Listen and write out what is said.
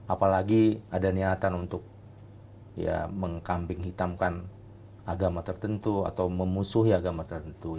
apalagi ada niatan untuk mengkambing hitamkan agama tertentu atau memusuhi agama tertentu